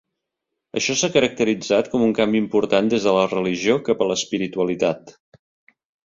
Això s'ha caracteritzat com un canvi important des de la religió cap a l'espiritualitat.